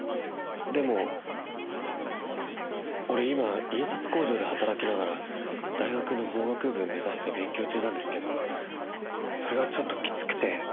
でも俺今印刷工場で働きながら大学の法学部目指して勉強中なんですけどそれがちょっときつくて。